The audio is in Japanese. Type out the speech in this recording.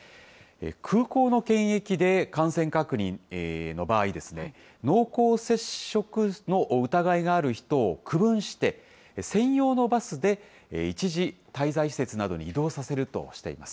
空港の検疫で感染確認の場合、濃厚接触の疑いがある人を区分して、専用のバスで一時滞在施設などに移動させるとしています。